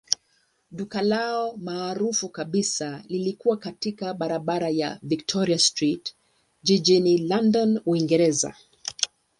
Duka lao maarufu kabisa lilikuwa katika barabara ya Victoria Street jijini London, Uingereza.